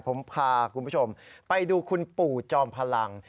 ผมพาคุณผู้ชมไปดูคุณปู่จอมพลัง